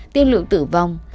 tiên lượng tử vong